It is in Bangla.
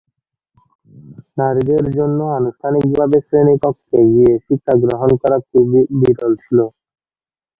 নারীদের জন্য আনুষ্ঠানিকভাবে শ্রেণীকক্ষে গিয়ে শিক্ষাগ্রহণ করা খুব বিরল ছিল।